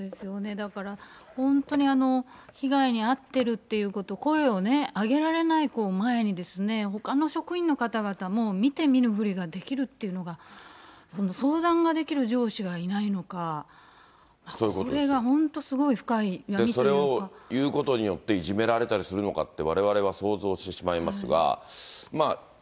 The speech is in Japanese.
だから本当に被害に遭ってるっていうこと、声を上げられない子を前に、ほかの職員の方々も、見て見ぬふりができるっていうのが、相談ができる上司がいないのか、これが本当、それを言うことによっていじめられたりするのかって、われわれは想像してしまいますが。